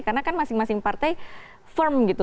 karena kan masing masing partai firm gitu